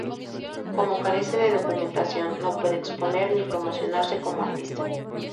Como carece de documentación, no puede exponer ni promocionarse como artista.